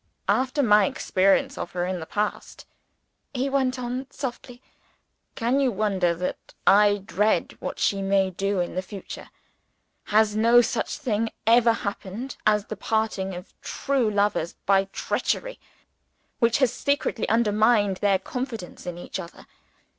"After my experience of her in the past," he went on softly, "can you wonder that I dread what she may do in the future? Has no such thing ever happened as the parting of true lovers by treachery which has secretly undermined their confidence in each other.